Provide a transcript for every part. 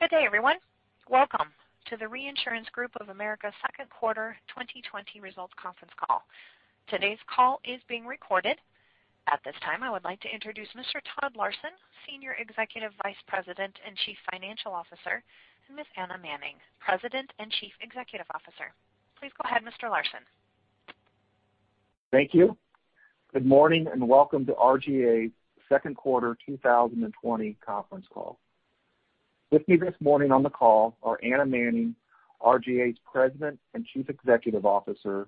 Good day, everyone. Welcome to the Reinsurance Group of America Second Quarter 2020 Results Conference Call. Today's call is being recorded. At this time, I would like to introduce Mr. Todd Larson, Senior Executive Vice President and Chief Financial Officer, and Ms. Anna Manning, President and Chief Executive Officer. Please go ahead, Mr. Larson. Thank you. Good morning, and Welcome to RGA's Second Quarter 2020 Conference Call. With me this morning on the call are Anna Manning, RGA's President and Chief Executive Officer,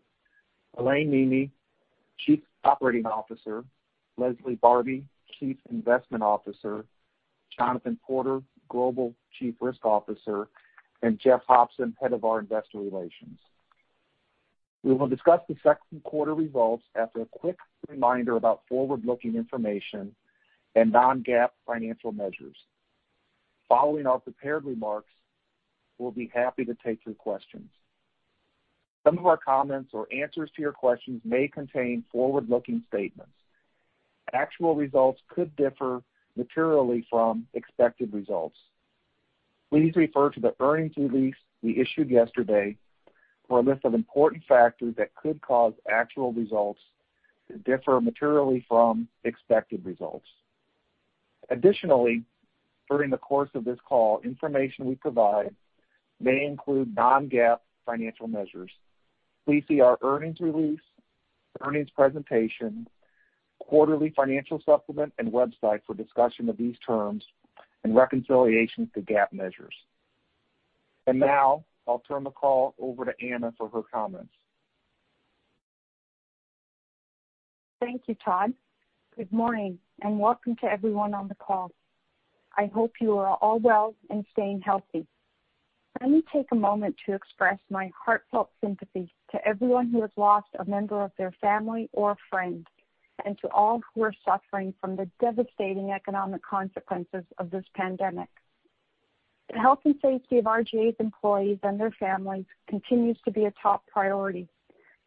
Alain Néemeh, Chief Operating Officer, Leslie Barbi, Chief Investment Officer, Jonathan Porter, Global Chief Risk Officer, and Jeff Hopson, Head of our Investor Relations. We will discuss the second quarter results after a quick reminder about forward-looking information and non-GAAP financial measures. Following our prepared remarks, we'll be happy to take your questions. Some of our comments or answers to your questions may contain forward-looking statements. Actual results could differ materially from expected results. Please refer to the earnings release we issued yesterday for a list of important factors that could cause actual results to differ materially from expected results. Additionally, during the course of this call, information we provide may include non-GAAP financial measures. Please see our earnings release, earnings presentation, quarterly financial supplement, and website for discussion of these terms and reconciliation to GAAP measures. Now I'll turn the call over to Anna for her comments. Thank you, Todd. Good morning, and welcome to everyone on the call. I hope you are all well and staying healthy. Let me take a moment to express my heartfelt sympathy to everyone who has lost a member of their family or friend, and to all who are suffering from the devastating economic consequences of this pandemic. The health and safety of RGA's employees and their families continues to be a top priority,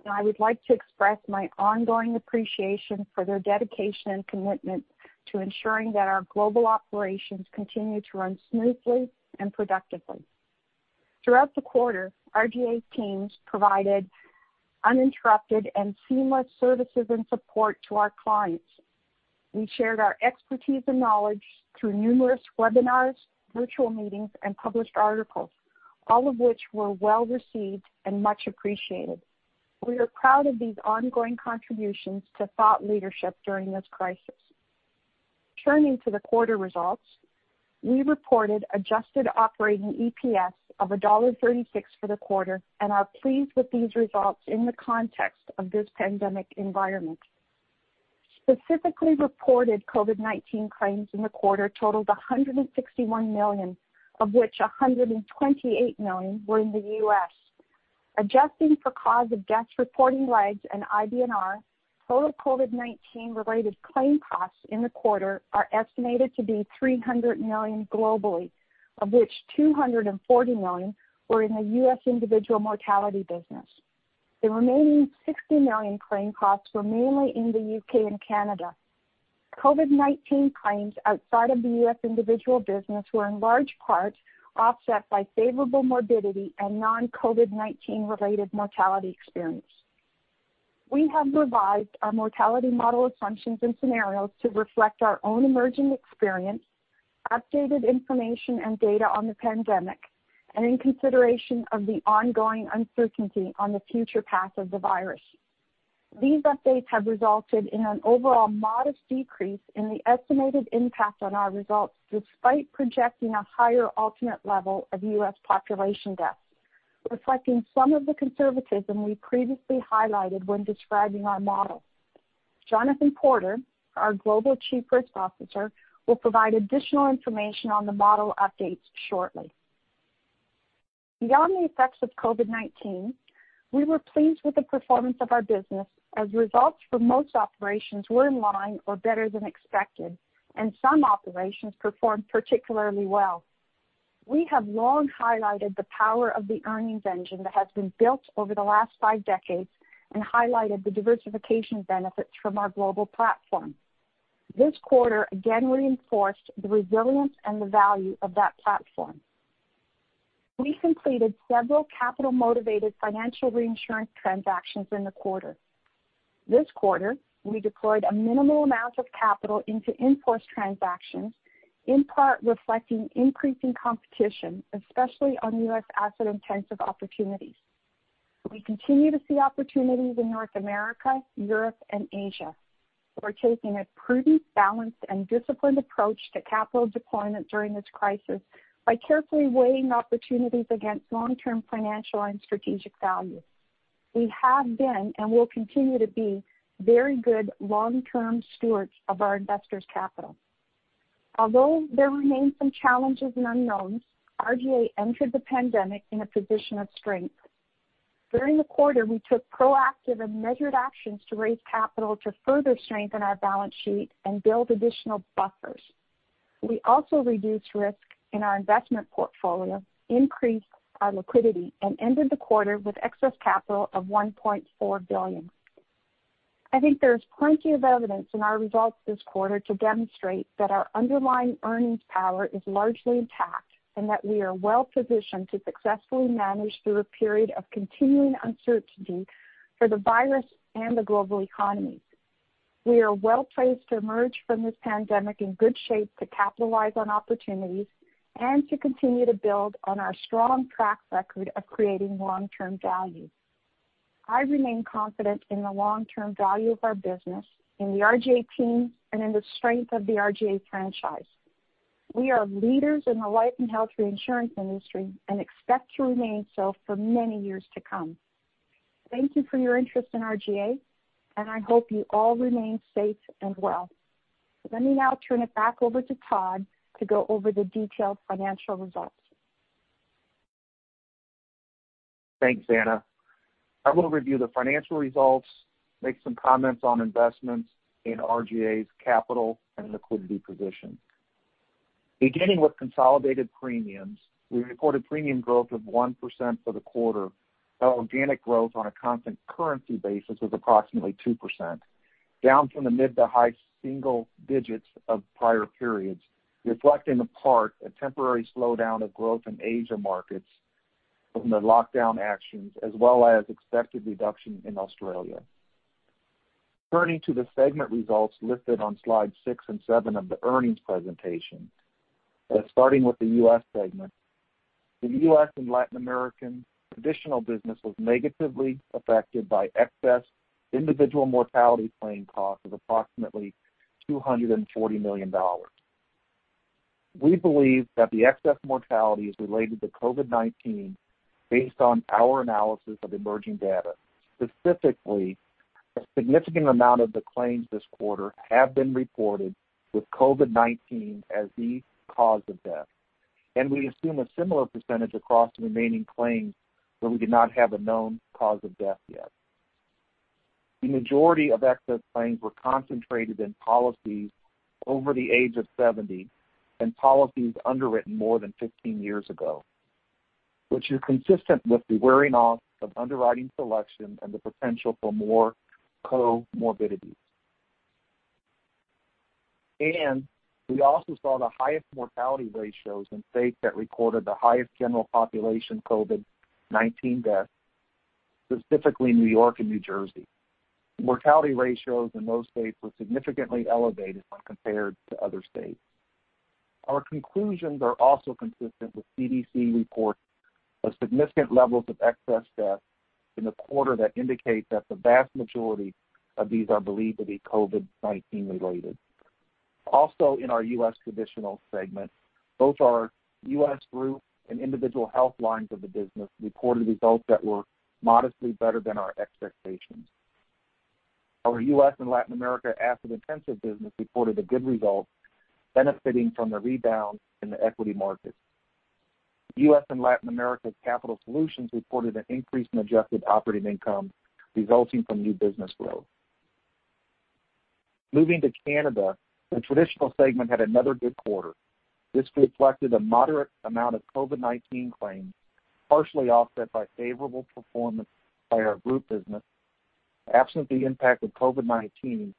and I would like to express my ongoing appreciation for their dedication and commitment to ensuring that our global operations continue to run smoothly and productively. Throughout the quarter, RGA's teams provided uninterrupted and seamless services and support to our clients. We shared our expertise and knowledge through numerous webinars, virtual meetings, and published articles, all of which were well-received and much appreciated. We are proud of these ongoing contributions to thought leadership during this crisis. Turning to the quarter results, we reported adjusted operating EPS of $1.36 for the quarter and are pleased with these results in the context of this pandemic environment. Specifically reported COVID-19 claims in the quarter totaled $161 million, of which $128 million were in the U.S. Adjusting for cause of death reporting lags and IBNR, total COVID-19 related claim costs in the quarter are estimated to be $300 million globally, of which $240 million were in the U.S. individual mortality business. The remaining $60 million claim costs were mainly in the U.K. and Canada. COVID-19 claims outside of the U.S. individual business were in large part offset by favorable morbidity and non-COVID-19 related mortality experience. We have revised our mortality model assumptions and scenarios to reflect our own emerging experience, updated information and data on the pandemic, and in consideration of the ongoing uncertainty on the future path of the virus. These updates have resulted in an overall modest decrease in the estimated impact on our results, despite projecting a higher ultimate level of U.S. population deaths, reflecting some of the conservatism we previously highlighted when describing our model. Jonathan Porter, our Global Chief Risk Officer, will provide additional information on the model updates shortly. Beyond the effects of COVID-19, we were pleased with the performance of our business, as results for most operations were in line or better than expected, and some operations performed particularly well. We have long highlighted the power of the earnings engine that has been built over the last five decades and highlighted the diversification benefits from our global platform. This quarter again reinforced the resilience and the value of that platform. We completed several capital-motivated financial reinsurance transactions in the quarter. This quarter, we deployed a minimal amount of capital into in-force transactions, in part reflecting increasing competition, especially on U.S. asset-intensive opportunities. We continue to see opportunities in North America, Europe, and Asia. We're taking a prudent, balanced, and disciplined approach to capital deployment during this crisis by carefully weighing opportunities against long-term financial and strategic value. We have been and will continue to be very good long-term stewards of our investors' capital. Although there remain some challenges and unknowns, RGA entered the pandemic in a position of strength. During the quarter, we took proactive and measured actions to raise capital to further strengthen our balance sheet and build additional buffers. We also reduced risk in our investment portfolio, increased our liquidity, and ended the quarter with excess capital of $1.4 billion. I think there's plenty of evidence in our results this quarter to demonstrate that our underlying earnings power is largely intact, and that we are well-positioned to successfully manage through a period of continuing uncertainty for the virus and the global economy. We are well-placed to emerge from this pandemic in good shape to capitalize on opportunities and to continue to build on our strong track record of creating long-term value. I remain confident in the long-term value of our business, in the RGA team, and in the strength of the RGA franchise. We are leaders in the life and health reinsurance industry and expect to remain so for many years to come. Thank you for your interest in RGA, and I hope you all remain safe and well. Let me now turn it back over to Todd to go over the detailed financial results. Thanks, Anna. I will review the financial results, make some comments on investments in RGA's capital and liquidity position. Beginning with consolidated premiums, we reported premium growth of 1% for the quarter, while organic growth on a constant currency basis was approximately 2%, down from the mid to high single digits of prior periods, reflecting in part a temporary slowdown of growth in Asia markets from the lockdown actions, as well as expected reduction in Australia. Turning to the segment results listed on slide six and seven of the earnings presentation. Starting with the U.S. segment. The U.S. and Latin American traditional business was negatively affected by excess individual mortality claim costs of approximately $240 million. We believe that the excess mortality is related to COVID-19 based on our analysis of emerging data. Specifically, a significant amount of the claims this quarter have been reported with COVID-19 as the cause of death. We assume a similar percentage across the remaining claims where we do not have a known cause of death yet. The majority of excess claims were concentrated in policies over the age of 70 and policies underwritten more than 15 years ago, which are consistent with the wearing off of underwriting selection and the potential for more comorbidities. We also saw the highest mortality ratios in states that recorded the highest general population COVID-19 deaths, specifically New York and New Jersey. Mortality ratios in those states were significantly elevated when compared to other states. Our conclusions are also consistent with CDC reports of significant levels of excess deaths in the quarter that indicate that the vast majority of these are believed to be COVID-19 related. [Also] in our U.S. Traditional segment, both our U.S. Group and Individual Health lines of the business reported results that were modestly better than our expectations. Our U.S. and Latin America asset-intensive business reported a good result, benefiting from the rebound in the equity markets. U.S. and Latin America's Capital Solutions reported an increase in adjusted operating income resulting from new business growth. Moving to Canada, the Traditional segment had another good quarter. This reflected a moderate amount of COVID-19 claims, partially offset by favorable performance by our Group business. Absent the impact of COVID-19,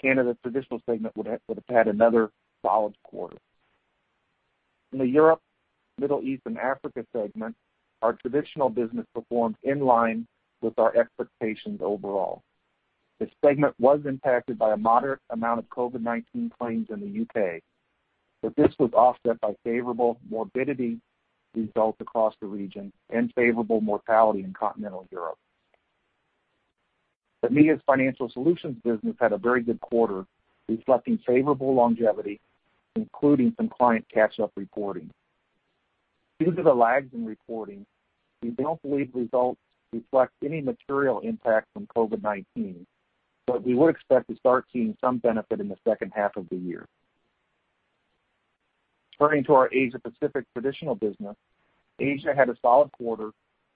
Canada's Traditional segment would have had another solid quarter. In the Europe, Middle East, and Africa segment, our traditional business performed in line with our expectations overall. This segment was impacted by a moderate amount of COVID-19 claims in the U.K., but this was offset by favorable morbidity results across the region and favorable mortality in Continental Europe. The EMEA's Financial Solutions business had a very good quarter, reflecting favorable longevity, including some client catch-up reporting. Due to the lags in reporting, we don't believe results reflect any material impact from COVID-19, but we would expect to start seeing some benefit in the second half of the year. Turning to our Asia Pacific Traditional business. Asia had a solid quarter,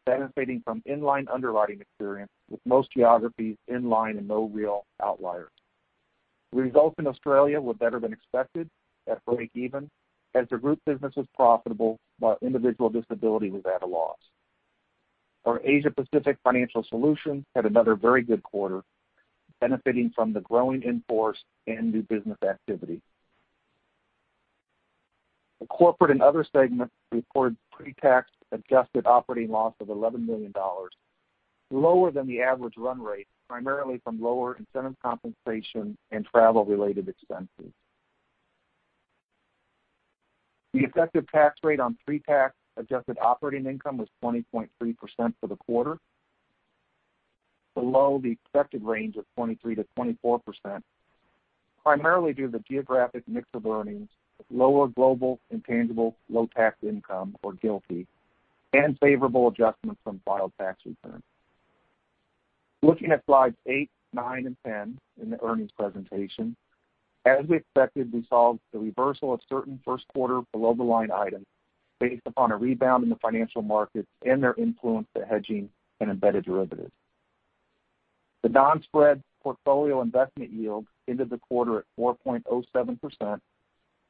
benefiting from in-line underwriting experience with most geographies in line and no real outliers. Results in Australia were better than expected at breakeven as the Group business was profitable while Individual Disability was at a loss. Our Asia Pacific Financial Solutions had another very good quarter, benefiting from the growing in-force and new business activity. The Corporate and Other segment reported pre-tax adjusted operating loss of $11 million, lower than the average run rate, primarily from lower incentive compensation and travel-related expenses. The effective tax rate on pre-tax adjusted operating income was 20.3% for the quarter, below the expected range of 23%-24%, primarily due to the geographic mix of earnings with lower Global Intangible Low-Tax Income, or GILTI, and favorable adjustments from filed tax returns. Looking at slides eight, nine, and 10 in the earnings presentation. As we expected, we saw the reversal of certain first quarter below-the-line items based upon a rebound in the financial markets and their influence to hedging and embedded derivatives. The non-spread portfolio investment yield ended the quarter at 4.07%,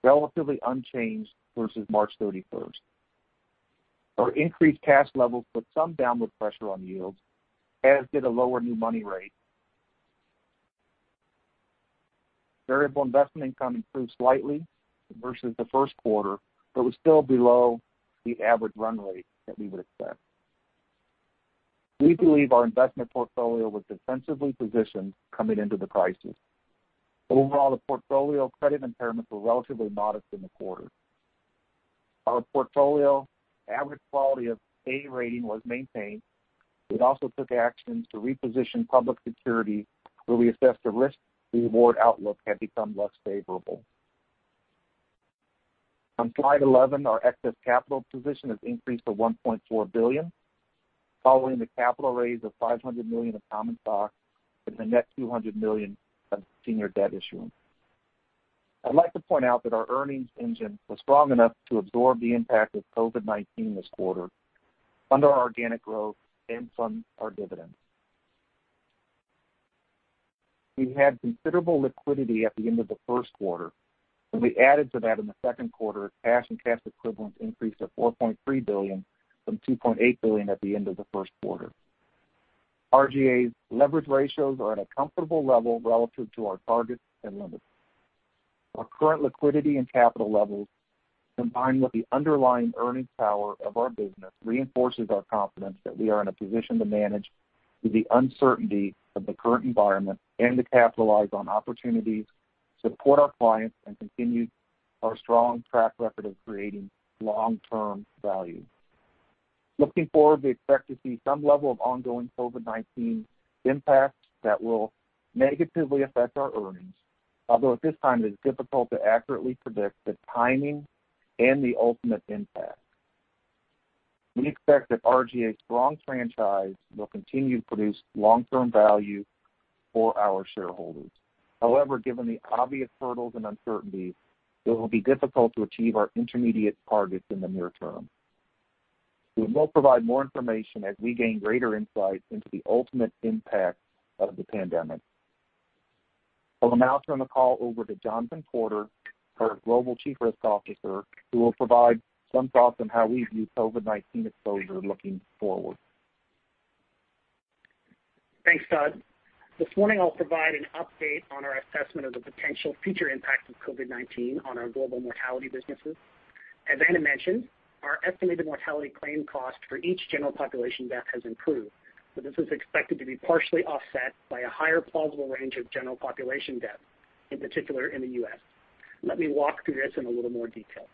relatively unchanged versus March 31st. Our increased cash levels put some downward pressure on yields, as did a lower new money rate. Variable investment income improved slightly versus the first quarter, but was still below the average run rate that we would expect. We believe our investment portfolio was defensively positioned coming into the crisis. Overall, the portfolio credit impairments were relatively modest in the quarter. Our portfolio average quality of A rating was maintained. We also took actions to reposition public security where we assessed the risk-reward outlook had become less favorable. On slide 11, our excess capital position has increased to $1.4 billion, following the capital raise of $500 million of common stock and the net $200 million of senior debt issuance. I'd like to point out that our earnings engine was strong enough to absorb the impact of COVID-19 this quarter on our organic growth and from our dividends. We had considerable liquidity at the end of the first quarter, and we added to that in the second quarter as cash and cash equivalents increased to $4.3 billion from $2.8 billion at the end of the first quarter. RGA's leverage ratios are at a comfortable level relative to our targets and limits. Our current liquidity and capital levels, combined with the underlying earnings power of our business, reinforces our confidence that we are in a position to manage through the uncertainty of the current environment and to capitalize on opportunities, support our clients, and continue our strong track record of creating long-term value. Looking forward, we expect to see some level of ongoing COVID-19 impacts that will negatively affect our earnings. Although at this time, it is difficult to accurately predict the timing and the ultimate impact. We expect that RGA's strong franchise will continue to produce long-term value for our shareholders. However, given the obvious hurdles and uncertainties, it will be difficult to achieve our intermediate targets in the near term. We will provide more information as we gain greater insight into the ultimate impact of the pandemic. I will now turn the call over to Jonathan Porter, our Global Chief Risk Officer, who will provide some thoughts on how we view COVID-19 exposure looking forward. Thanks, Todd. This morning, I'll provide an update on our assessment of the potential future impact of COVID-19 on our global mortality businesses. As Anna mentioned, our estimated mortality claim cost for each general population death has improved, but this is expected to be partially offset by a higher plausible range of general population death, in particular in the U.S. Let me walk through this in a little more detail.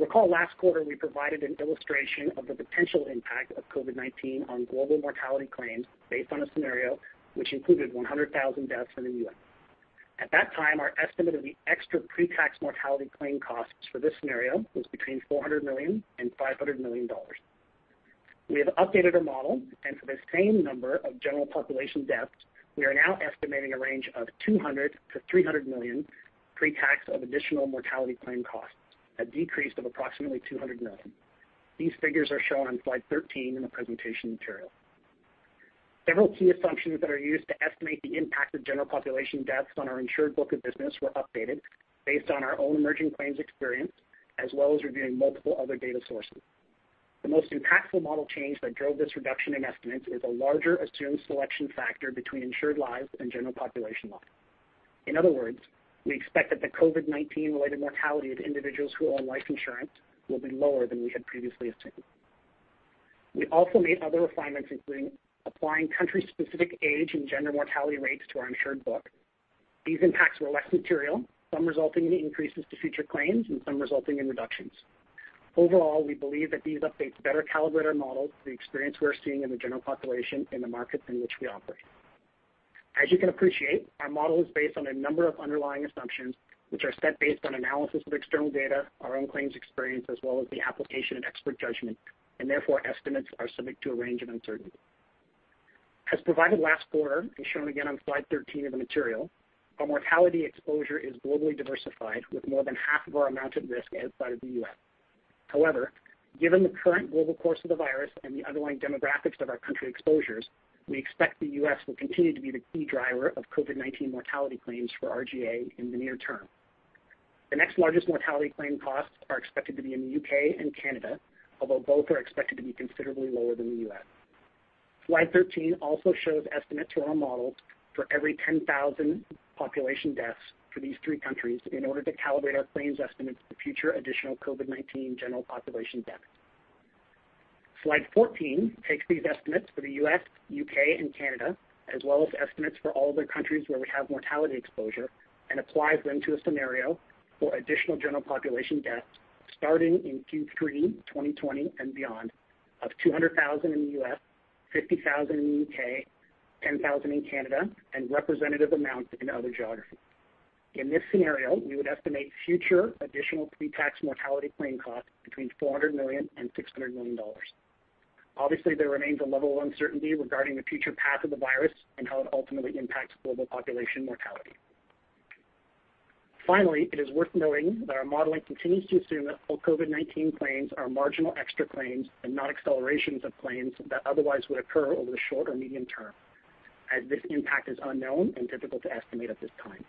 Recall last quarter, we provided an illustration of the potential impact of COVID-19 on global mortality claims based on a scenario which included 100,000 deaths in the U.S. At that time, our estimate of the extra pre-tax mortality claim costs for this scenario was between $400 million and $500 million. We have updated our model, for this same number of general population deaths, we are now estimating a range of $200 million-$300 million pre-tax of additional mortality claim costs, a decrease of approximately $200 million. These figures are shown on slide 13 in the presentation material. Several key assumptions that are used to estimate the impact of general population deaths on our insured book of business were updated based on our own emerging claims experience, as well as reviewing multiple other data sources. The most impactful model change that drove this reduction in estimates is a larger assumed selection factor between insured lives and general population loss. In other words, we expect that the COVID-19 related mortality of individuals who own life insurance will be lower than we had previously assumed. We also made other refinements, including applying country-specific age and gender mortality rates to our insured book. These impacts were less material, some resulting in increases to future claims and some resulting in reductions. Overall, we believe that these updates better calibrate our models to the experience we're seeing in the general population in the markets in which we operate. As you can appreciate, our model is based on a number of underlying assumptions, which are set based on analysis of external data, our own claims experience, as well as the application of expert judgment, and therefore, estimates are subject to a range of uncertainty. As provided last quarter and shown again on slide 13 of the material, our mortality exposure is globally diversified with more than half of our amounted risk outside of the U.S. However, given the current global course of the virus and the underlying demographics of our country exposures, we expect the U.S. will continue to be the key driver of COVID-19 mortality claims for RGA in the near term. The next largest mortality claim costs are expected to be in the U.K. and Canada, although both are expected to be considerably lower than the U.S. Slide 13 also shows estimates for our model for every 10,000 population deaths for these three countries in order to calibrate our claims estimates for future additional COVID-19 general population deaths. Slide 14 takes these estimates for the U.S., U.K., and Canada, as well as estimates for all other countries where we have mortality exposure and applies them to a scenario for additional general population deaths starting in Q3 2020 and beyond of 200,000 in the U.S., 50,000 in the U.K., 10,000 in Canada, and representative amounts in other geographies. In this scenario, we would estimate future additional pre-tax mortality claim costs between $400 million and $600 million. Obviously, there remains a level of uncertainty regarding the future path of the virus and how it ultimately impacts global population mortality. Finally, it is worth noting that our modeling continues to assume that all COVID-19 claims are marginal extra claims and not accelerations of claims that otherwise would occur over the short or medium term, as this impact is unknown and difficult to estimate at this time.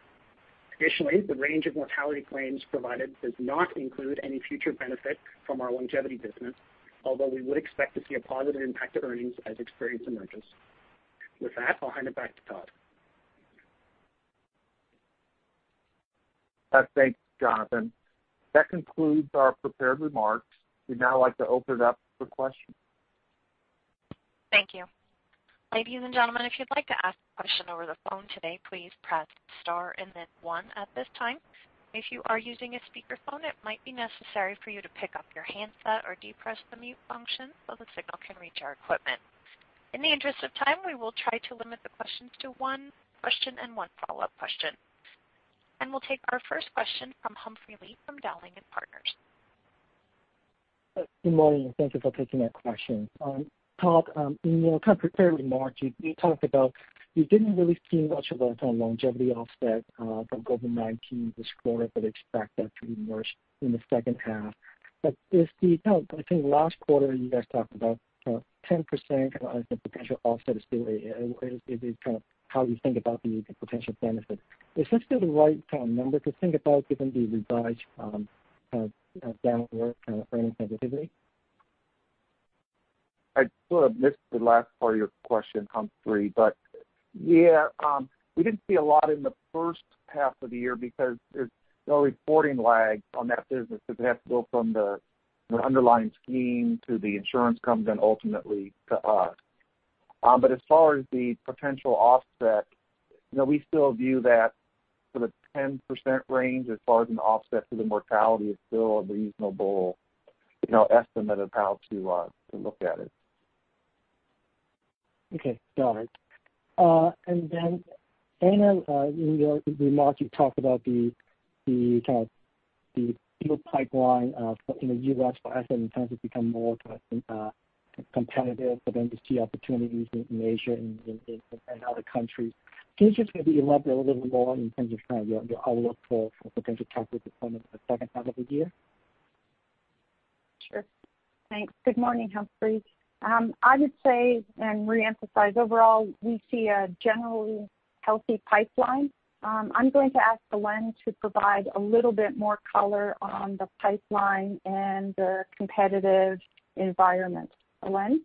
Additionally, the range of mortality claims provided does not include any future benefit from our longevity business, although we would expect to see a positive impact to earnings as experience emerges. With that, I'll hand it back to Todd. Thanks, Jonathan. That concludes our prepared remarks. We'd now like to open it up for questions. Thank you. Ladies and gentlemen, if you'd like to ask a question over the phone today, please press star and then one at this time. If you are using a speakerphone, it might be necessary for you to pick up your handset or depress the mute function so the signal can reach our equipment. In the interest of time, we will try to limit the questions to one question and one follow-up question. We'll take our first question from Humphrey Lee from Dowling & Partners. Good morning. Thank you for taking our question. Todd, in your kind of prepared remarks, you talked about you didn't really see much of a longevity offset from COVID-19 this quarter, but expect that to emerge in the second half. I think last quarter, you guys talked about 10% as a potential offset is kind of how you think about the potential benefit. Is this still the right kind of number to think about given the revised kind of downward kind of earnings sensitivity? I sort of missed the last part of your question, Humphrey. Yeah, we didn't see a lot in the first half of the year because there's a reporting lag on that business, because it has to go from the underlying scheme to the insurance company and ultimately to us. As far as the potential offset, we still view that sort of 10% range as far as an offset to the mortality is still a reasonable estimate of how to look at it. Okay, got it. [And then] Anna, in your remarks, you talked about the kind of the deal pipeline in the U.S. for asset in terms of becoming more kind of competitive against the opportunities in Asia and other countries. Can you just maybe elaborate a little bit more in terms of kind of your outlook for potential capital deployment in the second half of the year? Sure. Thanks. Good morning, Humphrey. I would say and reemphasize, overall, we see a generally healthy pipeline. I'm going to ask Alain to provide a little bit more color on the pipeline and the competitive environment. Alain?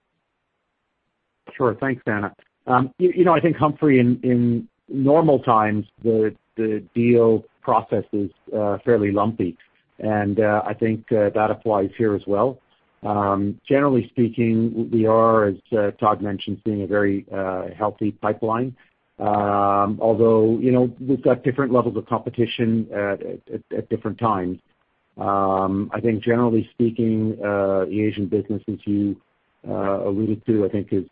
Sure. Thanks, Anna. I think, Humphrey, in normal times, the deal process is fairly lumpy, and I think that applies here as well. Generally speaking, we are, as Todd mentioned, seeing a very healthy pipeline. We've got different levels of competition at different times. I think generally speaking, the Asian business, as you alluded to, I think is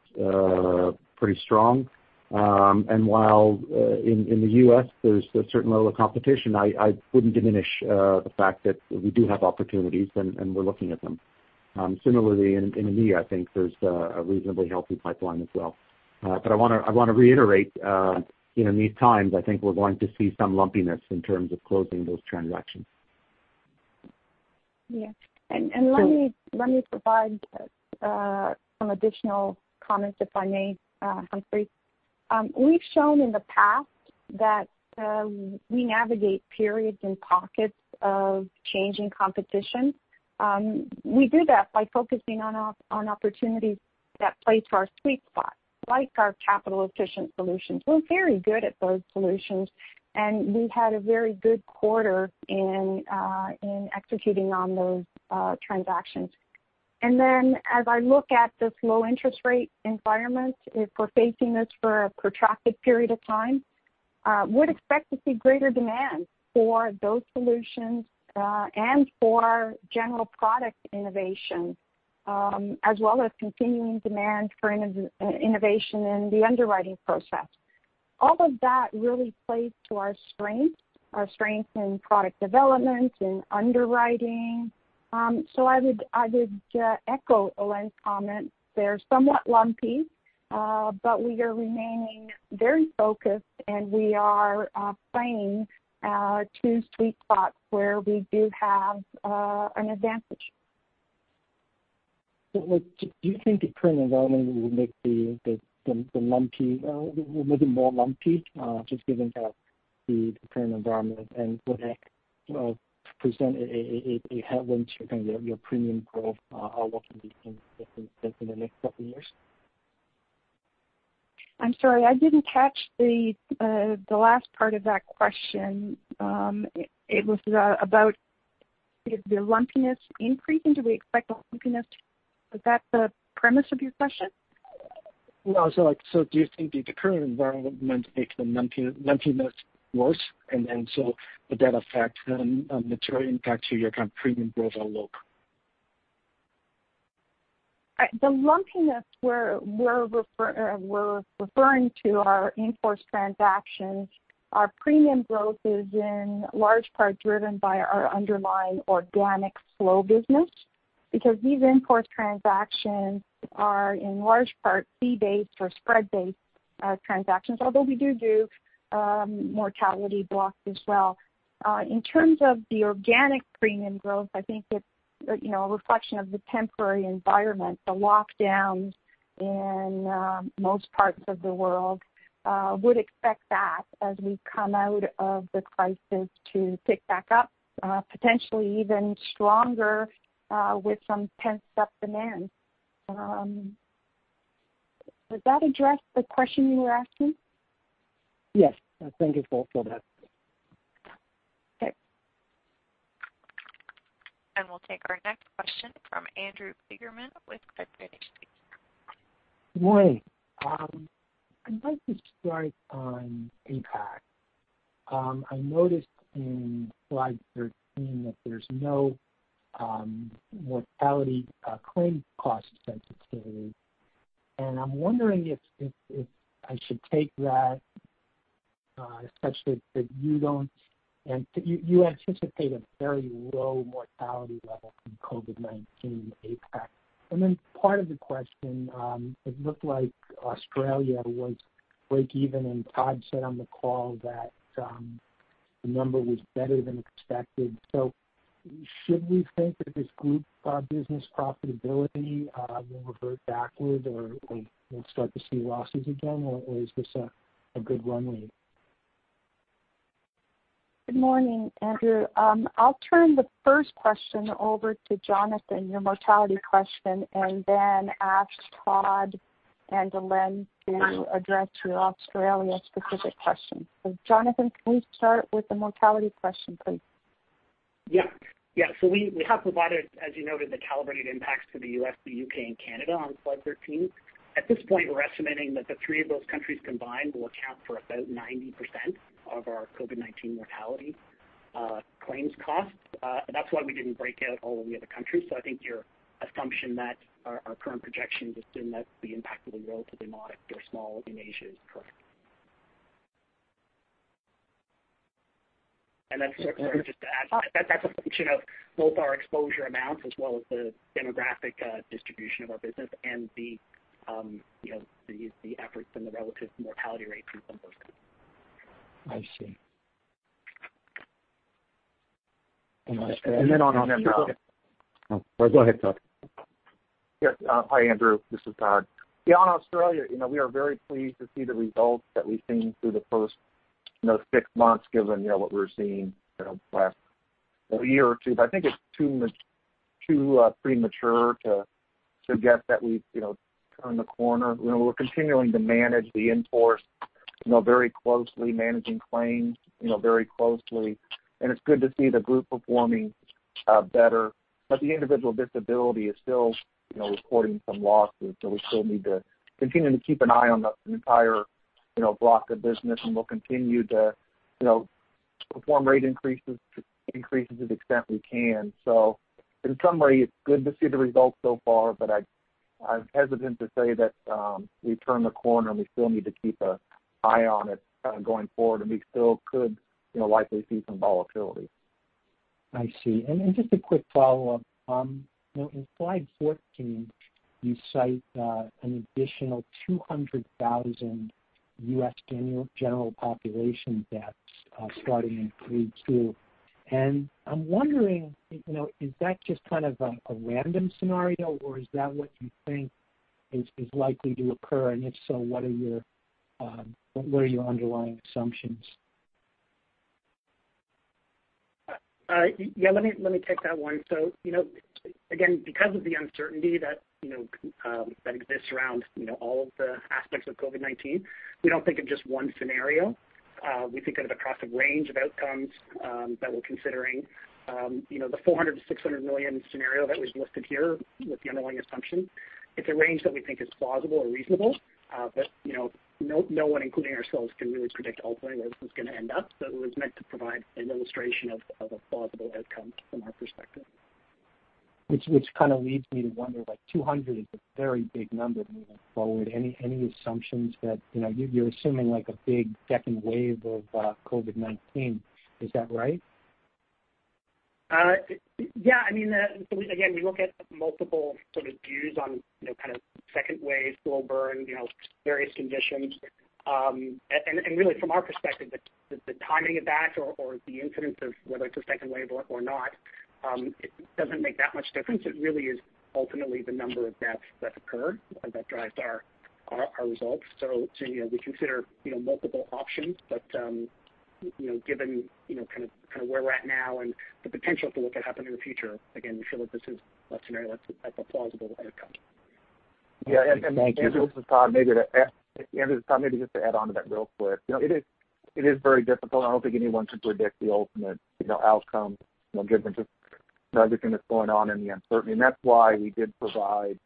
pretty strong. While in the U.S. there's a certain level of competition, I wouldn't diminish the fact that we do have opportunities, and we're looking at them. Similarly in EMEA, I think there's a reasonably healthy pipeline as well. I want to reiterate in these times, I think we're going to see some lumpiness in terms of closing those transactions. Yeah. Let me provide some additional comments, if I may, Humphrey. We've shown in the past that we navigate periods and pockets of changing competition. We do that by focusing on opportunities that play to our sweet spot, like our capital-efficient solutions. We're very good at those solutions, and we had a very good quarter in executing on those transactions. As I look at this low interest rate environment, if we're facing this for a protracted period of time, would expect to see greater demand for those solutions, and for general product innovation, as well as continuing demand for innovation in the underwriting process. All of that really plays to our strength, our strength in product development, in underwriting. I would echo Alain's comments. They're somewhat lumpy, but we are remaining very focused, and we are playing to sweet spots where we do have an advantage. Do you think the current environment will make it more lumpy, just given kind of the current environment, and would present a headwind to kind of your premium growth outlook in the next couple of years? I'm sorry, I didn't catch the last part of that question. It was about the lumpiness increasing? Do we expect the lumpiness? Is that the premise of your question? No. Do you think the current environment makes the lumpiness worse? Would that affect a material impact to your kind of premium growth outlook? The lumpiness we're referring to are in-force transactions. Our premium growth is in large part driven by our underlying organic flow business, because these in-force transactions are in large part fee-based or spread-based transactions, although we do mortality blocks as well. In terms of the organic premium growth, I think it's a reflection of the temporary environment, the lockdowns in most parts of the world. We would expect that as we come out of the crisis to pick back up, potentially even stronger, with some pent-up demand. Does that address the question you were asking? Yes. Thank you both for that. Okay. We'll take our next question from Andrew Kligerman with Credit Suisse. Morning. I'd like to start on APAC. I noticed in slide 13 that there's no mortality claim cost sensitivity, and I'm wondering if I should take that, such that you anticipate a very low mortality level from COVID-19 in APAC. Part of the question, it looked like Australia was break even, and Todd said on the call that the number was better than expected. Should we think that this group business profitability will revert backward, or we'll start to see losses again, or is this a good runway? Good morning, Andrew. I'll turn the first question over to Jonathan, your mortality question, and then ask Todd and Alain to address your Australia-specific question. Jonathan, can we start with the mortality question, please? Yeah. We have provided, as you noted, the calibrated impacts to the U.S., the U.K., and Canada on slide 13. At this point, we're estimating that the three of those countries combined will account for about 90% of our COVID-19 mortality claims costs. That's why we didn't break out all the other countries. I think your assumption that our current projection is assuming that the impact will be relatively modest or small in Asia is correct. Sorry, just to add, that's a function of both our exposure amounts as well as the demographic distribution of our business and the efforts and the relative mortality rates in some of those countries. I see. And then on- Oh, go ahead, Todd. Yes. Hi, Andrew. This is Todd. Yeah, on Australia, we are very pleased to see the results that we've seen through the first six months, given what we were seeing the last year or two. I think it's too premature to suggest that we've turned the corner. We're continuing to manage the in-force very closely, managing claims very closely. It's good to see the group performing better, but the individual disability is still reporting some losses, so we still need to continue to keep an eye on the entire block of business, and we'll continue to perform rate increases to the extent we can. In some way, it's good to see the results so far, but I'm hesitant to say that we've turned the corner, and we still need to keep an eye on it going forward, and we still could likely see some volatility. I see. Just a quick follow-up. In slide 14, you cite an additional 200,000 U.S. general population deaths starting in Q2. I'm wondering, is that just kind of a random scenario, or is that what you think is likely to occur? If so, what are your underlying assumptions? Yeah, let me take that one. Again, because of the uncertainty that exists around all of the aspects of COVID-19, we don't think of just one scenario. We think of it across a range of outcomes that we're considering. The $400 million-$600 million scenario that was listed here with the underlying assumption, it's a range that we think is plausible or reasonable. No one, including ourselves, can really predict how the pandemic is going to end up. It was meant to provide an illustration of a plausible outcome from our perspective. Which kind of leads me to wonder, 200 is a very big number moving forward. Any assumptions that you're assuming, like, a big second wave of COVID-19? Is that right? Again, we look at multiple sort of views on kind of second waves, slow burn, various conditions. Really, from our perspective, the timing of that or the incidence of whether it's a second wave or not, it doesn't make that much difference. It really is ultimately the number of deaths that occur that drives our results. We consider multiple options, but given kind of where we're at now and the potential for what could happen in the future, again, we feel that this is a scenario that's a plausible outcome. Yeah, thank you. Andrew, this is Todd. Maybe just to add onto that real quick. It is very difficult, and I don't think anyone should predict the ultimate outcome, given just everything that's going on and the uncertainty. That's why we did provide,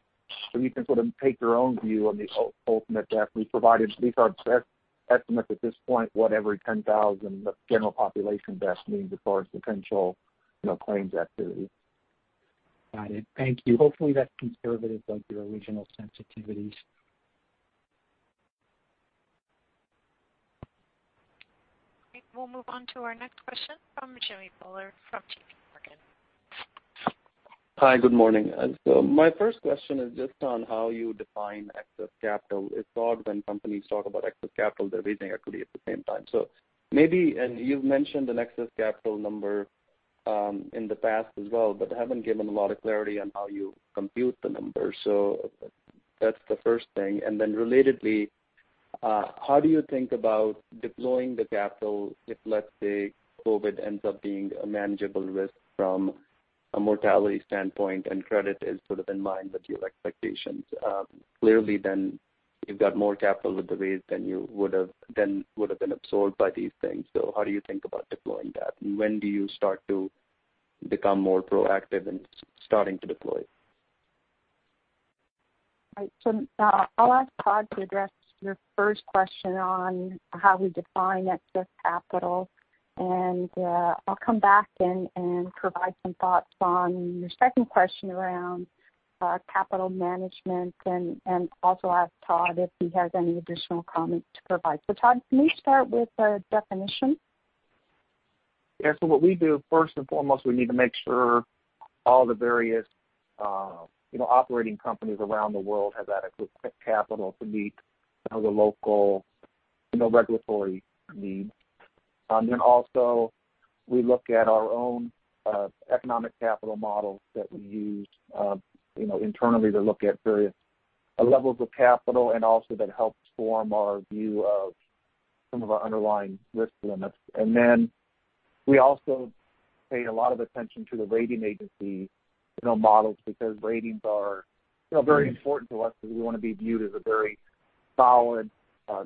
so you can sort of take your own view on the ultimate death. We provided, these are estimates at this point, what every 10,000 general population deaths means as far as potential claims activity. Got it. Thank you. Hopefully, that's conservative of your original sensitivities. Great. We'll move on to our next question from Jimmy Bhullar from JPMorgan. Hi, good morning. My first question is just on how you define excess capital. It's odd when companies talk about excess capital, they're raising equity at the same time. Maybe, and you've mentioned an excess capital number in the past as well, but haven't given a lot of clarity on how you compute the number. That's the first thing. Relatedly, how do you think about deploying the capital if, let's say, COVID-19 ends up being a manageable risk from a mortality standpoint and credit is sort of in line with your expectations? Clearly, you've got more capital with the raise than would've been absorbed by these things. How do you think about deploying that? When do you start to become more proactive in starting to deploy? Right. I'll ask Todd to address your first question on how we define excess capital. I'll come back and provide some thoughts on your second question around capital management and also ask Todd if he has any additional comment to provide. Todd, can you start with the definition? Yeah. What we do, first and foremost, we need to make sure all the various operating companies around the world have adequate capital to meet the local regulatory needs. Also, we look at our own economic capital models that we use internally to look at various levels of capital and also that helps form our view of some of our underlying risk limits. We also pay a lot of attention to the rating agency models because ratings are very important to us because we want to be viewed as a very solid,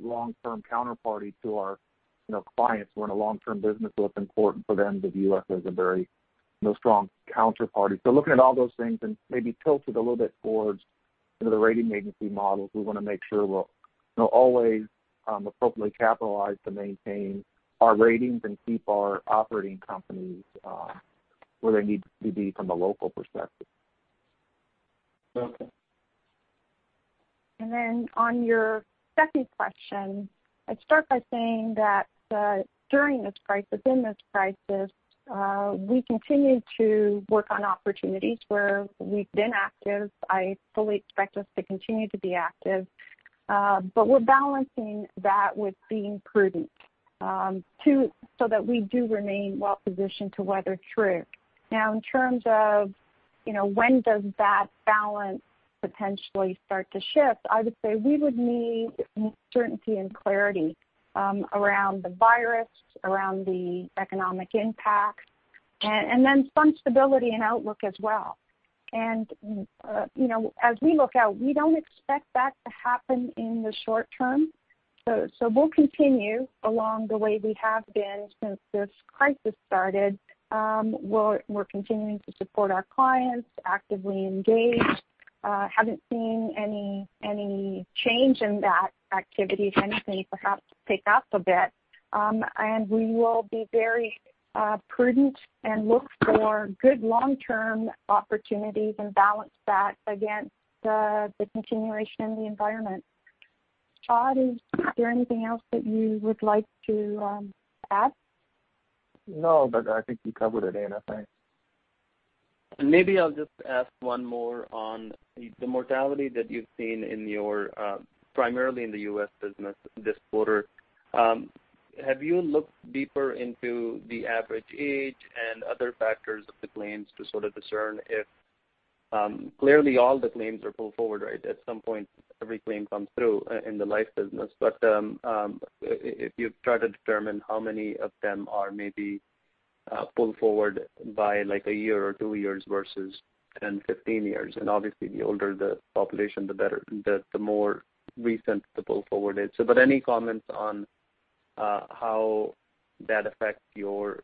long-term counterparty to our clients. We're in a long-term business, so it's important for them to view us as a very strong counterparty. Looking at all those things and maybe tilted a little bit towards the rating agency models, we want to make sure we're always appropriately capitalized to maintain our ratings and keep our operating companies where they need to be from a local perspective. Okay. On your second question, I'd start by saying that during this crisis, in this crisis, we continue to work on opportunities where we've been active. I fully expect us to continue to be active. We're balancing that with being prudent so that we do remain well-positioned to weather through. In terms of when does that balance potentially start to shift, I would say we would need more certainty and clarity around the virus, around the economic impact, and then some stability and outlook as well. As we look out, we don't expect that to happen in the short term. We'll continue along the way we have been since this crisis started. We're continuing to support our clients, actively engaged, haven't seen any change in that activity, if anything, perhaps pick up a bit. We will be very prudent and look for good long-term opportunities and balance that against the continuation in the environment. Todd, is there anything else that you would like to add? No, I think you covered it, Anna. Thanks. Maybe I'll just ask one more on the mortality that you've seen primarily in the U.S. business this quarter. Have you looked deeper into the average age and other factors of the claims to sort of discern, clearly all the claims are pulled forward. At some point, every claim comes through in the life business. If you've tried to determine how many of them are maybe pulled forward by a year or two years versus 10, 15 years. Obviously the older the population, the more recent the pull forward is. Any comments on how that affects your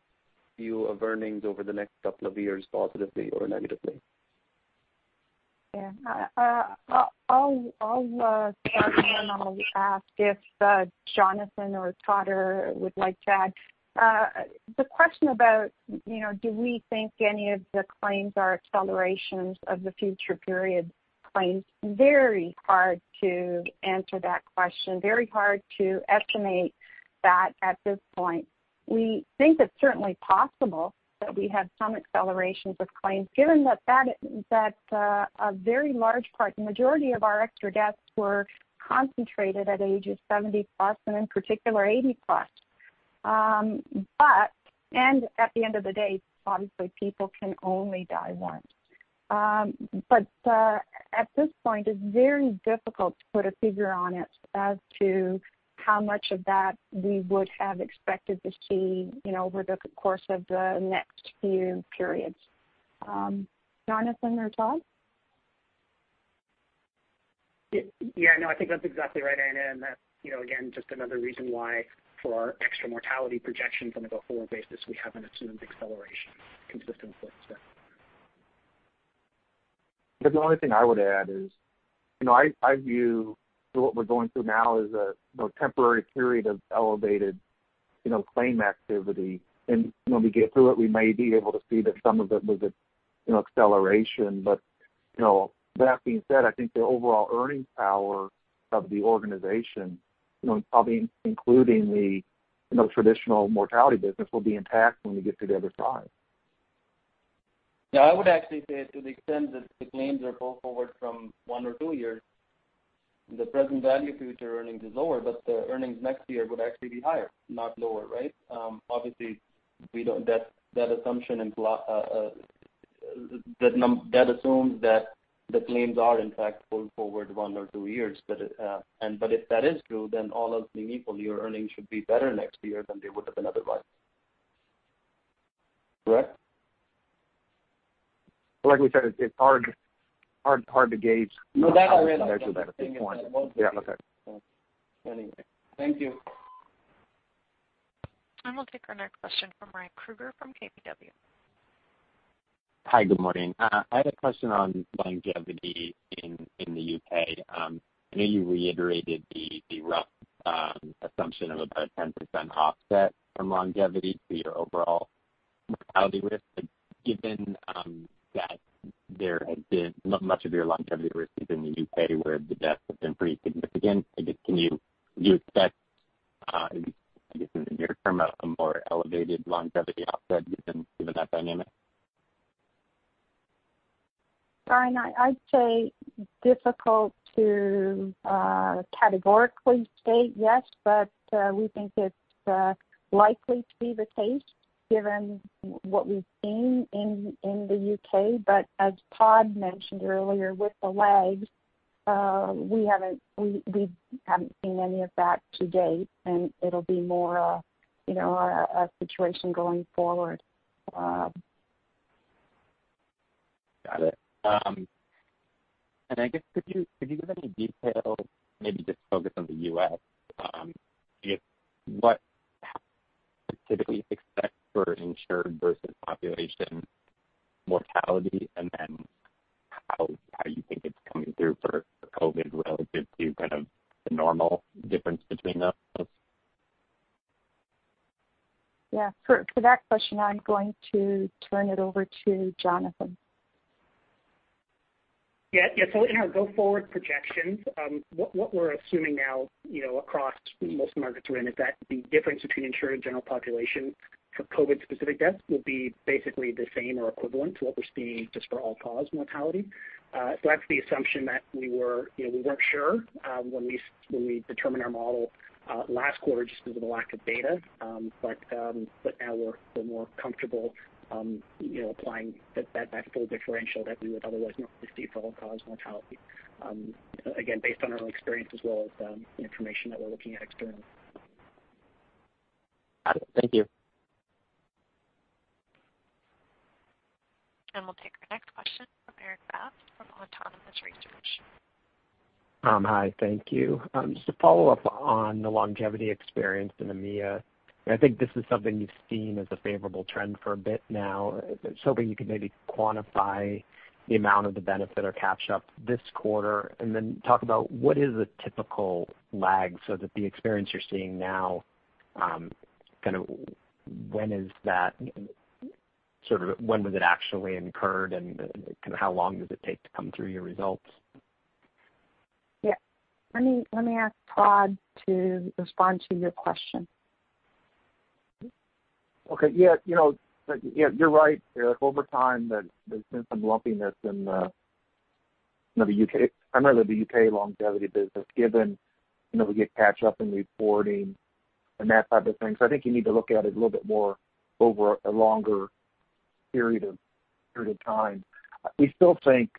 view of earnings over the next couple of years, positively or negatively? I'll start then I'll ask if Jonathan or Todd would like to add. The question about do we think any of the claims are accelerations of the future period claims, very hard to answer that question. Very hard to estimate that at this point. We think it's certainly possible that we have some accelerations of claims given that a very large part, the majority of our extra deaths were concentrated at ages 70+, and in particular 80+. At the end of the day, obviously people can only die once. At this point, it's very difficult to put a figure on it as to how much of that we would have expected to see over the course of the next few periods. Jonathan or Todd? Yeah, no, I think that's exactly right, Anna. That's again, just another reason why for our extra mortality projection from a go-forward basis, we haven't assumed acceleration consistent with this death. The only thing I would add is, I view what we're going through now as a temporary period of elevated claim activity. When we get through it, we may be able to see that some of it was an acceleration. That being said, I think the overall earnings power of the organization, probably including the traditional mortality business, will be intact when we get to the other side. Yeah, I would actually say to the extent that the claims are pulled forward from one or two years, the present value of future earnings is lower, but the earnings next year would actually be higher, not lower, right? Obviously, that assumes that the claims are in fact pulled forward one or two years. If that is true, then all else being equal, your earnings should be better next year than they would have been otherwise. Correct? Like we said, it's hard to gauge. Well, that all is- At this point. Yeah, okay. Anyway. Thank you. We'll take our next question from Ryan Krueger, from KBW. Hi, good morning. I had a question on longevity in the U.K. I know you reiterated the rough assumption of about a 10% offset from longevity to your overall mortality risk. Given that much of your longevity risk is in the U.K. where the deaths have been pretty significant, do you expect, I guess in the near term, a more elevated longevity offset given that dynamic? Ryan, I'd say difficult to categorically state yes, we think it's likely to be the case given what we've seen in the U.K. As Todd mentioned earlier with the lag, we haven't seen any of that to date, and it'll be more a situation going forward. Got it. I guess, could you give any detail, maybe just focus on the U.S., what specifically you expect for insured versus population mortality, and then how you think it's coming through for COVID relative to kind of the normal difference between those? Yeah. For that question, I'm going to turn it over to Jonathan. Yeah. In our go-forward projections, what we're assuming now across most markets we're in, is that the difference between insured and general population for COVID-specific deaths will be basically the same or equivalent to what we're seeing just for all-cause mortality. That's the assumption that we weren't sure when we determined our model last quarter just because of the lack of data. Now we're more comfortable applying that full differential that we would otherwise not receive for all-cause mortality. Again, based on our own experience as well as the information that we're looking at externally. Got it. Thank you. We'll take our next question from Erik Bass from Autonomous Research. Hi, thank you. Just a follow-up on the longevity experience in EMEA. I think this is something you've seen as a favorable trend for a bit now. I was hoping you could maybe quantify the amount of the benefit or catch-up this quarter, and then talk about what is a typical lag so that the experience you're seeing now, when was it actually incurred, and how long does it take to come through your results? Yeah. Let me ask Todd to respond to your question. Okay. Yeah, you're right, Erik. Over time, there's been some lumpiness in the U.K., primarily the U.K. longevity business, given we get catch-up in reporting and that type of thing. I think you need to look at it a little bit more over a longer period of time. We still think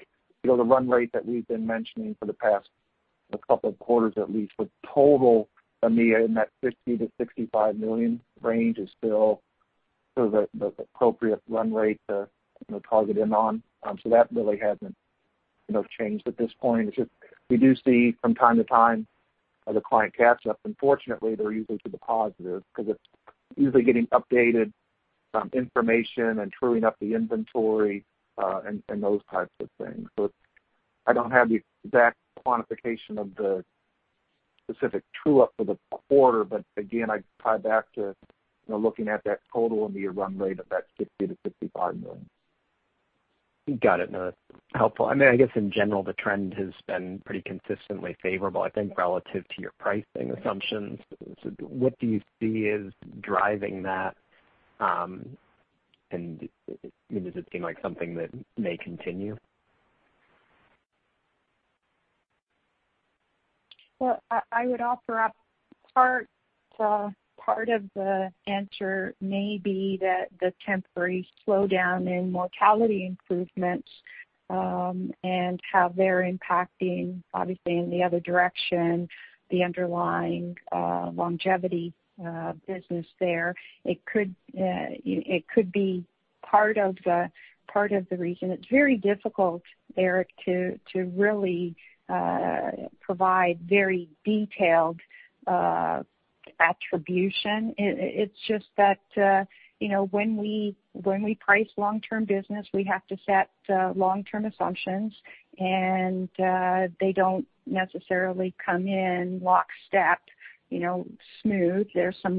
the run rate that we've been mentioning for the past couple of quarters at least with total EMEA in that $60 million-$65 million range is still sort of the appropriate run rate to target in on. That really hasn't changed at this point. It's just we do see from time to time the client catch-up, and fortunately, they're usually to the positive because it's usually getting updated information and truing up the inventory, and those types of things. I don't have the exact quantification of the specific true-up for the quarter. Again, I tie it back to looking at that total EMEA run rate of that $60 million-$65 million. Got it. No, that's helpful. I guess in general, the trend has been pretty consistently favorable, I think, relative to your pricing assumptions. What do you see as driving that? Does it seem like something that may continue? Well, I would offer up part of the answer may be that the temporary slowdown in mortality improvements, and how they're impacting, obviously in the other direction, the underlying longevity business there. It could be part of the reason. It's very difficult, Erik, to really provide very detailed-attribution. It's just that when we price long-term business, we have to set long-term assumptions, and they don't necessarily come in lockstep, smooth. There's some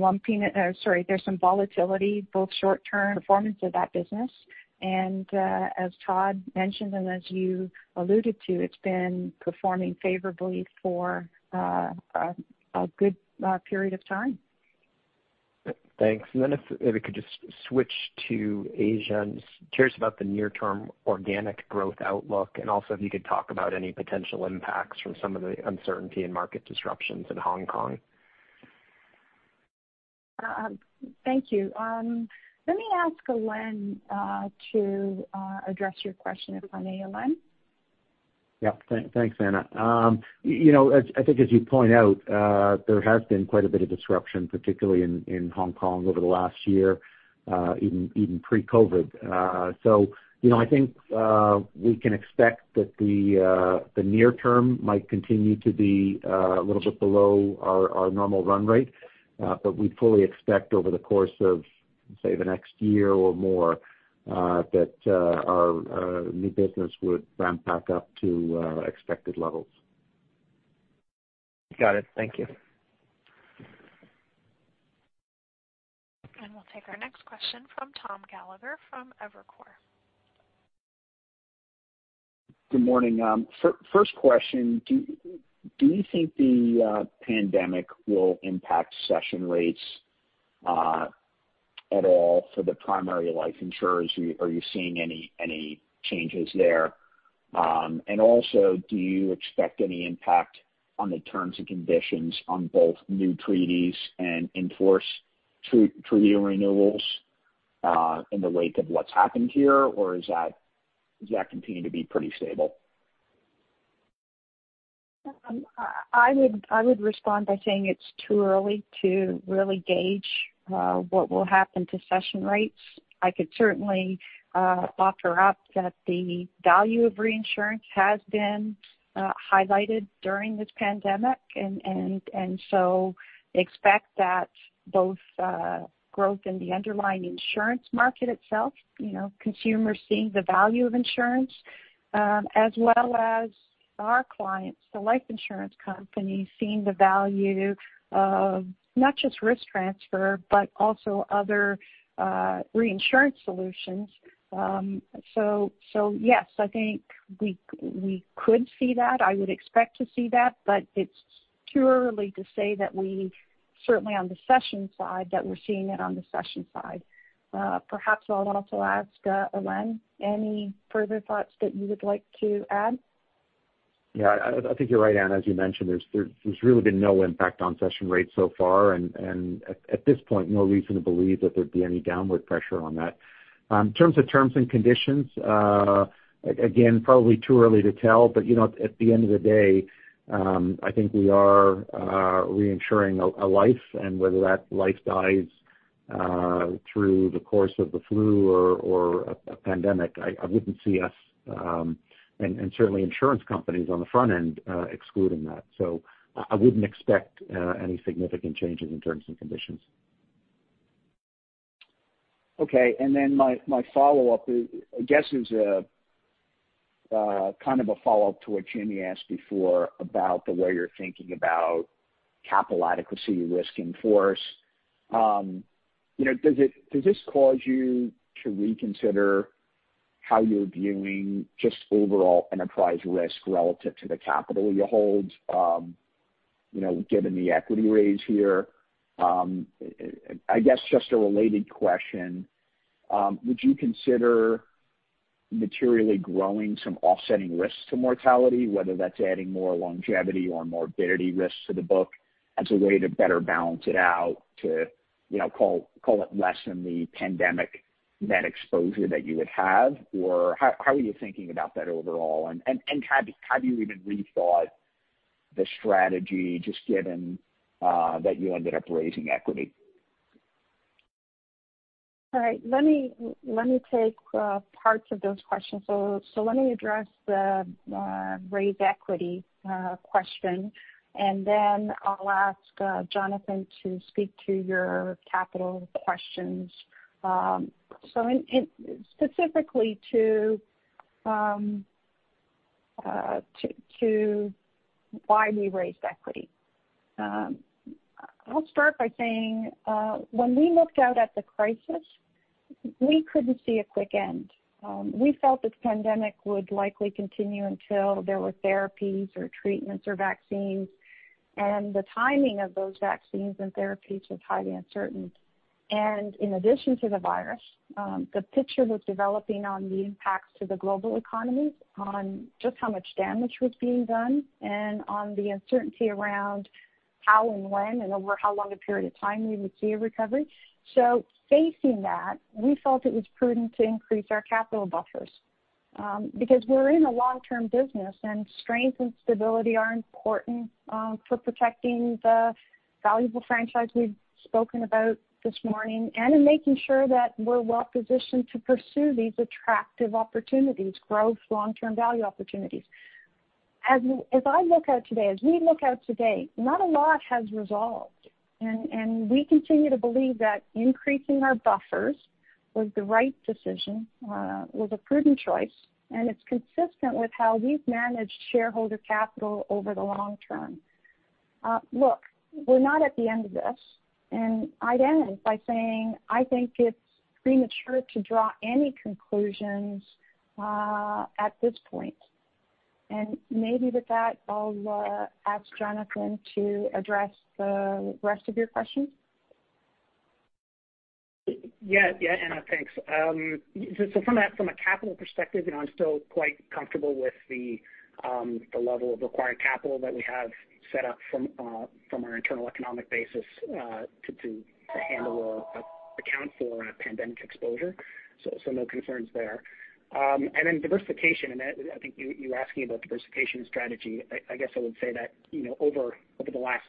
volatility, both short-term performance of that business, and as Todd mentioned, and as you alluded to, it's been performing favorably for a good period of time. Thanks. If we could just switch to Asia. Curious about the near-term organic growth outlook, and also if you could talk about any potential impacts from some of the uncertainty and market disruptions in Hong Kong? Thank you. Let me ask Alain to address your question. If I may, Alain? Thanks, Anna. I think as you point out, there has been quite a bit of disruption, particularly in Hong Kong over the last year, even pre-COVID. I think we can expect that the near term might continue to be a little bit below our normal run rate. We'd fully expect over the course of, say, the next year or more, that our new business would ramp back up to expected levels. Got it. Thank you. We'll take our next question from Tom Gallagher from Evercore. Good morning. First question, do you think the pandemic will impact cession rates at all for the primary life insurers? Are you seeing any changes there? Do you expect any impact on the terms and conditions on both new treaties and enforce treaty renewals in the wake of what's happened here, or does that continue to be pretty stable? I would respond by saying it's too early to really gauge what will happen to cession rates. I could certainly offer up that the value of reinsurance has been highlighted during this pandemic, and so expect that both growth in the underlying insurance market itself, consumers seeing the value of insurance, as well as our clients, the life insurance companies, seeing the value of not just risk transfer, but also other reinsurance solutions. Yes, I think we could see that. I would expect to see that, but it's too early to say that we, certainly on the cession side, that we're seeing it on the cession side. Perhaps I'll also ask Alain, any further thoughts that you would like to add? Yeah, I think you're right, Anna. As you mentioned, there's really been no impact on Cession Rates so far, and at this point, no reason to believe that there'd be any downward pressure on that. In terms of terms and conditions, again, probably too early to tell, but at the end of the day, I think we are reinsuring a life, whether that life dies through the course of the flu or a pandemic, I wouldn't see us, and certainly insurance companies on the front end, excluding that. I wouldn't expect any significant changes in terms and conditions. Okay, my follow-up is, I guess, is kind of a follow-up to what Jimmy asked before about the way you're thinking about capital adequacy risk in force. Does this cause you to reconsider how you're viewing just overall enterprise risk relative to the capital you hold given the equity raise here? I guess just a related question, would you consider materially growing some offsetting risks to mortality, whether that's adding more longevity or morbidity risks to the book as a way to better balance it out to call it less than the pandemic net exposure that you would have? How are you thinking about that overall, and have you even rethought the strategy just given that you ended up raising equity? All right. Let me take parts of those questions. Let me address the raised equity question, and then I'll ask Jonathan to speak to your capital questions. Specifically to why we raised equity. I'll start by saying, when we looked out at the crisis, we couldn't see a quick end. We felt this pandemic would likely continue until there were therapies or treatments or vaccines, and the timing of those vaccines and therapies was highly uncertain. In addition to the virus, the picture was developing on the impacts to the global economy on just how much damage was being done and on the uncertainty around how and when and over how long a period of time we would see a recovery. Facing that, we felt it was prudent to increase our capital buffers because we're in a long-term business, and strength and stability are important for protecting the valuable franchise we've spoken about this morning and in making sure that we're well-positioned to pursue these attractive opportunities, growth long-term value opportunities. As we look out today, not a lot has resolved. We continue to believe that increasing our buffers was the right decision, was a prudent choice, and it's consistent with how we've managed shareholder capital over the long term. Look, we're not at the end of this, and I'd end by saying, I think it's premature to draw any conclusions at this point. Maybe with that, I'll ask Jonathan to address the rest of your question. Yeah, Anna, thanks. From a capital perspective, I'm still quite comfortable with the level of required capital that we have set up from our internal economic basis to handle or account for pandemic exposure. No concerns there. Diversification, I think you asking about diversification strategy, I guess I would say that over the last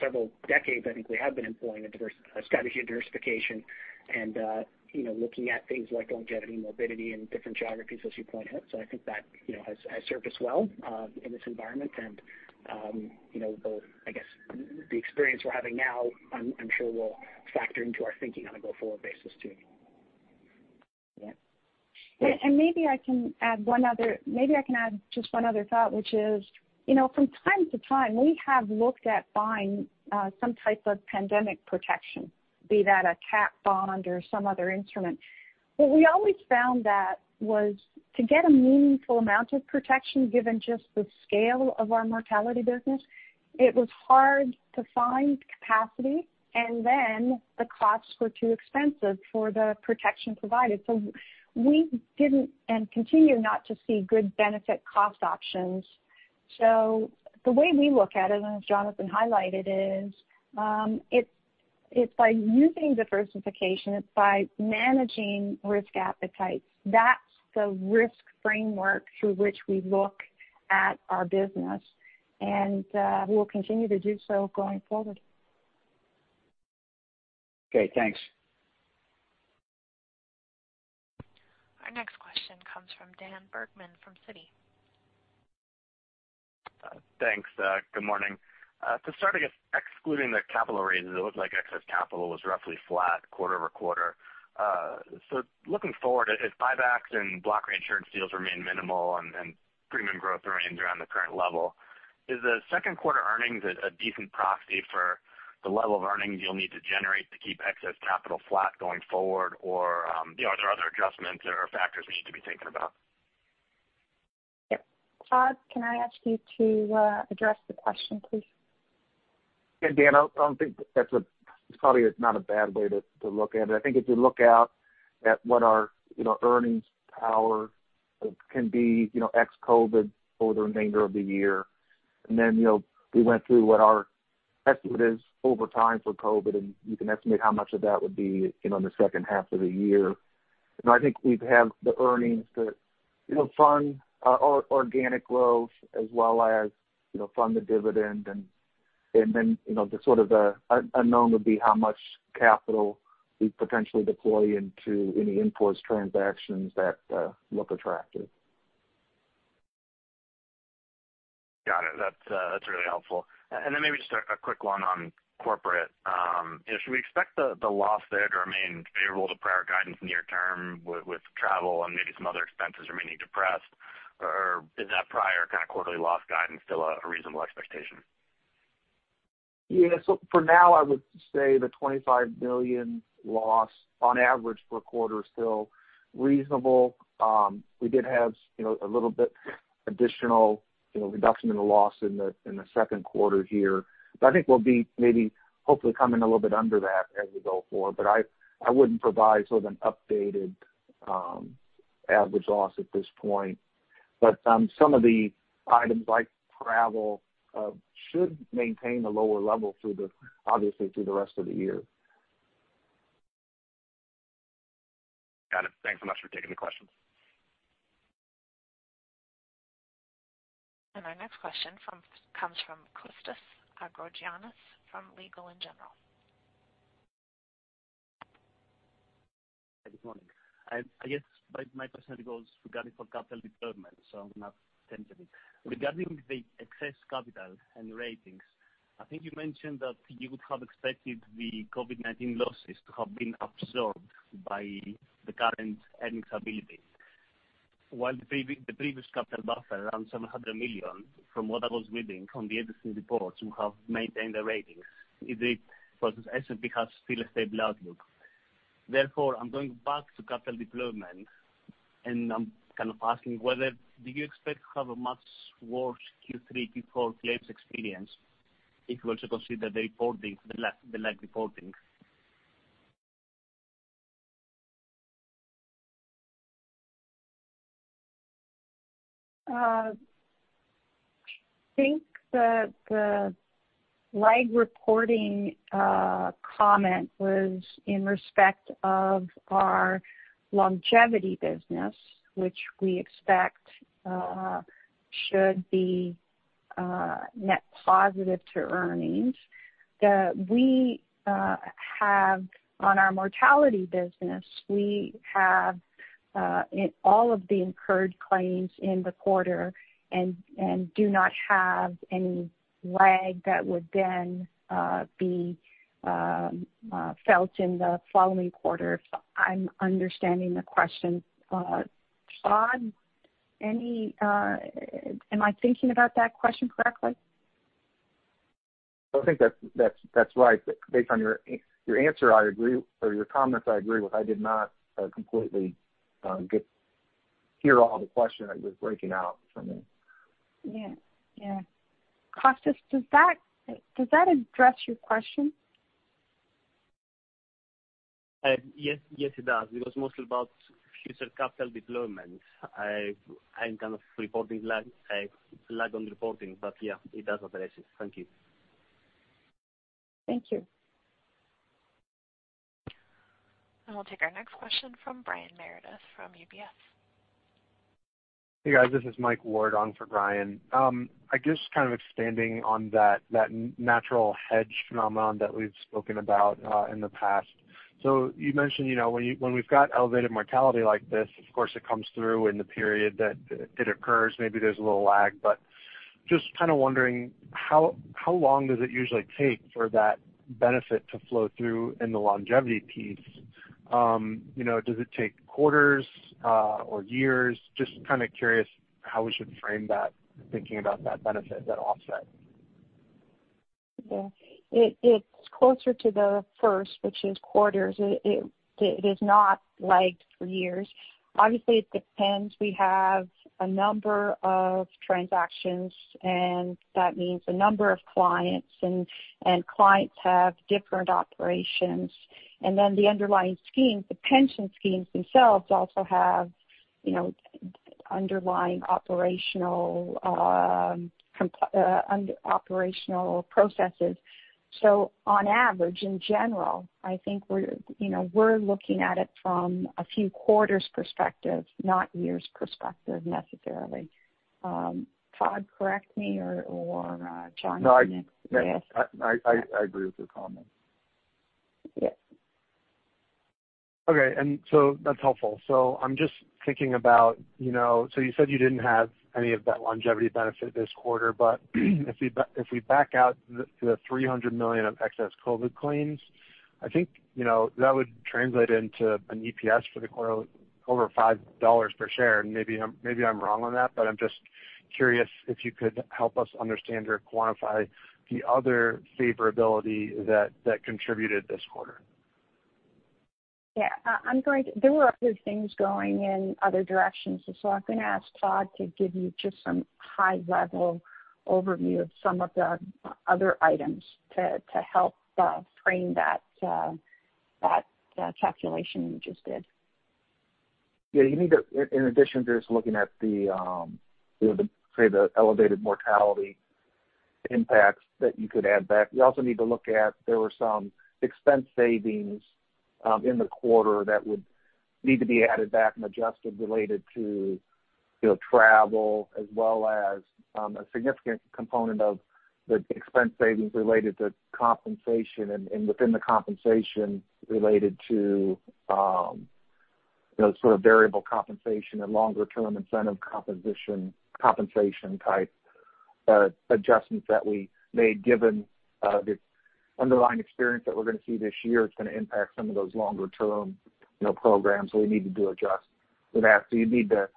several decades, I think we have been employing a strategy of diversification and looking at things like longevity, morbidity, and different geographies, as you pointed out. I think that has served us well in this environment. I guess the experience we're having now, I'm sure will factor into our thinking on a go-forward basis, too. Yeah. Maybe I can add just one other thought, which is, from time to time, we have looked at buying some type of pandemic protection, be that a cat bond or some other instrument. What we always found that was to get a meaningful amount of protection, given just the scale of our mortality business, it was hard to find capacity, and then the costs were too expensive for the protection provided. We didn't and continue not to see good benefit cost options. The way we look at it, and as Jonathan highlighted is, it's by using diversification, it's by managing risk appetite. That's the risk framework through which we look at our business, and we will continue to do so going forward. Okay, thanks. Our next question comes from Dan Bergman from Citi. Thanks. Good morning. To start, I guess excluding the capital raises, it looks like excess capital was roughly flat quarter-over-quarter. Looking forward, if buybacks and block reinsurance deals remain minimal and premium growth remains around the current level, is the second quarter earnings a decent proxy for the level of earnings you'll need to generate to keep excess capital flat going forward? Are there other adjustments or factors we need to be thinking about? Yep. Todd, can I ask you to address the question, please? Yeah, Dan, I don't think that's probably not a bad way to look at it. I think if you look out at what our earnings power can be ex-COVID-19 for the remainder of the year, then we went through what our estimate is over time for COVID-19, you can estimate how much of that would be in the second half of the year. I think we'd have the earnings to fund our organic growth as well as fund the dividend, then the sort of unknown would be how much capital we potentially deploy into any in-force transactions that look attractive. Got it. That's really helpful. Maybe just a quick one on corporate. Should we expect the loss there to remain favorable to prior guidance near term with travel and maybe some other expenses remaining depressed? Is that prior kind of quarterly loss guidance still a reasonable expectation? For now, I would say the $25 million loss on average per quarter is still reasonable. We did have a little bit additional reduction in the loss in the second quarter here. I think we'll be maybe hopefully coming a little bit under that as we go forward. I wouldn't provide sort of an updated average loss at this point. Some of the items like travel should maintain a lower level, obviously through the rest of the year. Got it. Thanks so much for taking the questions. Our next question comes from Konstan Agrogiannis from Legal & General. Good morning. I guess my question goes regarding for capital deployment, [so I'm going to sense a bit. Regarding the excess capital and ratings, I think you mentioned that you would have expected the COVID-19 losses ave been absorbed by the current earnings ability. While the previous capital buffer around $700 million from what I was within from the editing repots, we have maintained the ratings. Is it because S&P has still a stable outlook? Therefore, I'm going back to capital depoyment, and I'm kind of asking whether do you expect to have a much worse Q3, Q4 claims experience if you also consider reporting, the lag reporting?]. I think that the lag reporting comment was in respect of our longevity business, which we expect should be net positive to earnings. We have, on our mortality business, we have all of the incurred claims in the quarter and do not have any lag that would then be felt in the following quarter, if I'm understanding the question. Todd, am I thinking about that question correctly? I think that's right. Based on your answer, I agree, or your comments, I agree with. I did not completely hear all the question. It was breaking out for me. Yeah. Konstan, does that address your question? Yes, it does. It was mostly about future capital deployment. I'm kind of lag on reporting, but yeah, it does address it. Thank you. Thank you. We'll take our next question from Brian Meredith from UBS. Hey, guys. This is Michael Ward on for Brian. I guess kind of expanding on that natural hedge phenomenon that we've spoken about in the past. You mentioned, when we've got elevated mortality like this, of course, it comes through in the period that it occurs. Maybe there's a little lag, but just kind of wondering how long does it usually take for that benefit to flow through in the longevity piece? Does it take quarters or years? Just kind of curious how we should frame that, thinking about that benefit, that offset. Yeah. It's closer to the first, which is quarters. It is not lagged for years. Obviously, it depends. We have a number of transactions. That means a number of clients, and clients have different operations. Then the underlying schemes, the pension schemes themselves also have underlying operational processes. On average, in general, I think we're looking at it from a few quarters perspective, not years perspective, necessarily. Todd, correct me or John. No, I agree with your comment. Yes. That's helpful. I'm just thinking about, so you said you didn't have any of that longevity benefit this quarter, but if we back out the $300 million of excess COVID-19 claims, I think that would translate into an EPS for the quarter over $5 per share. Maybe I'm wrong on that, but I'm just curious if you could help us understand or quantify the other favorability that contributed this quarter. Yeah. There were other things going in other directions. I'm going to ask Todd to give you just some high-level overview of some of the other items to help frame that calculation you just did. Yeah, in addition to just looking at the, say, the elevated mortality impacts that you could add back, you also need to look at, there were some expense savings in the quarter that would need to be added back and adjusted, related to travel, as well as a significant component of the expense savings related to compensation, and within the compensation related to sort of variable compensation and longer-term incentive compensation type adjustments that we made, given the underlying experience that we're going to see this year is going to impact some of those longer-term programs, we need to do adjust with that. You'd need to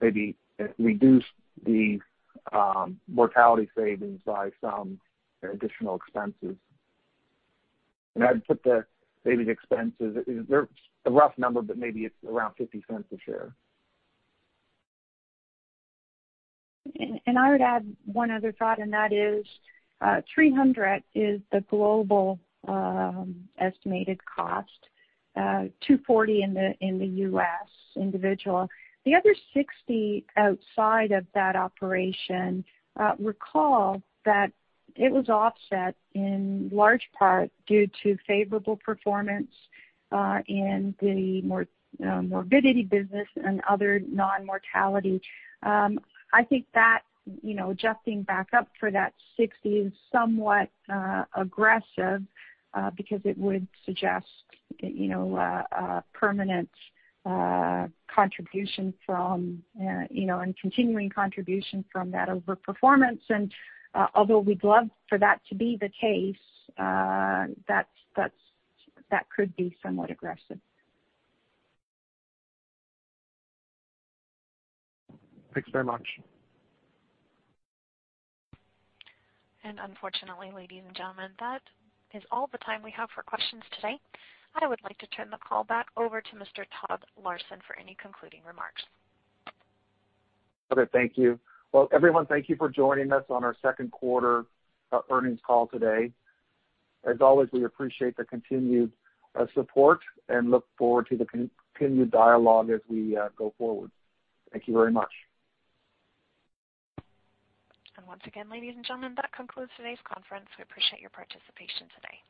maybe reduce the mortality savings by some additional expenses. I'd put the savings expenses, a rough number, but maybe it's around $0.50 a share. I would add one other thought, and that is $300 is the global estimated cost, $240 in the U.S. individual. The other $60 outside of that operation, recall that it was offset in large part due to favorable performance in the morbidity business and other non-mortality. I think that adjusting back up for that $60 is somewhat aggressive because it would suggest a permanent contribution from and continuing contribution from that over performance. Although we'd love for that to be the case, that could be somewhat aggressive. Thanks very much. [And] unfortunately, ladies and gentlemen, that is all the time we have for questions today. I would like to turn the call back over to Mr. Todd Larson for any concluding remarks. Okay, thank you. Well, everyone, thank you for joining us on our second quarter earnings call today. As always, we appreciate the continued support and look forward to the continued dialogue as we go forward. Thank you very much. Once again, ladies and gentlemen, that concludes today's conference. We appreciate your participation today.